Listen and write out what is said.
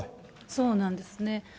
そうなんですね。